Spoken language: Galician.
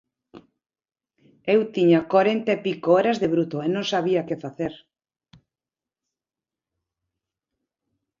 Eu tiña corenta e pico horas de bruto, e non sabía que facer.